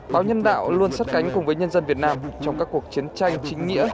báo nhân đạo luôn sắt cánh cùng với nhân dân việt nam trong các cuộc chiến tranh chính nghĩa